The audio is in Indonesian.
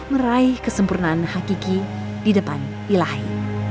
meraih kesempurnaan hakiki di depan ilahi